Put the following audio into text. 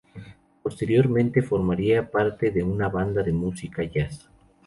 Posteriormente formaría parte de una banda de música jazz.